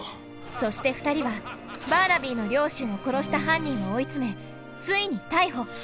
そして２人はバーナビーの両親を殺した犯人を追い詰めついに逮捕。